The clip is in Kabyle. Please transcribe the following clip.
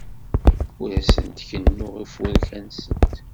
Ur asent-d-kennuɣ ifurka-nsent.